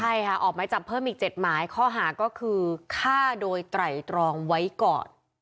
ใช่ค่ะออกไม้จับเพิ่มอีก๗หมายข้อหาก็คือฆ่าโดยไตรตรองไว้ก่อน